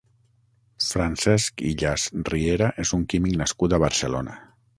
Francesc Illas Riera és un químic nascut a Barcelona.